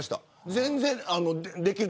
全然できる。